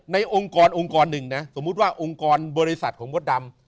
องค์กรองค์กรหนึ่งนะสมมุติว่าองค์กรบริษัทของมดดำ